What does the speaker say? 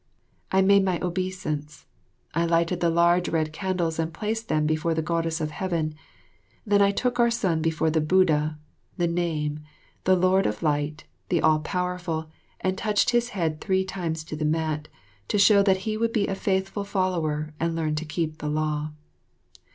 I made my obeisance, I lighted the large red candles and placed them before the Goddess of Heaven. Then I took our son before the Buddha, the Name, the Lord of Light, the All Powerful, and touched his head three times to the mat, to show that he would be a faithful follower and learn to keep the law.